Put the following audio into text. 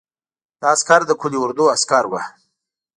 دا عسکر د قول اردو عسکر وو.